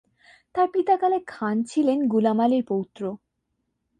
তার পিতা কালে খান ছিলেন গুলাম আলির পৌত্র।